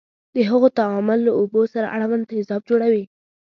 د هغو تعامل له اوبو سره اړوند تیزاب جوړوي.